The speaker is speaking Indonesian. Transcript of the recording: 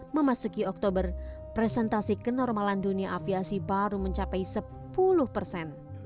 memasuki oktober presentasi kenormalan dunia aviasi baru mencapai sepuluh persen